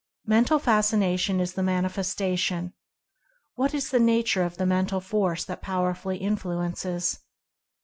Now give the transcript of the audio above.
Mental Fascination is the manifestation — what is the nature of the Mental Force that pow erfully influences?